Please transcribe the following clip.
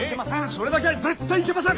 それだけは絶対いけません！